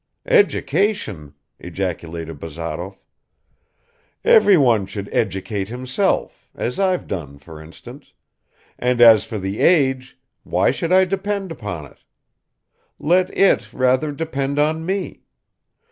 "Education?" ejaculated Bazarov. "Everyone should educate himself, as I've done, for instance ... And as for the age, why should I depend upon it? Let it rather depend on me.